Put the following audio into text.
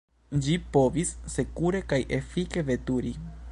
Ĝi povis sekure kaj efike veturi.